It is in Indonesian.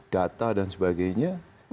data dan sebagainya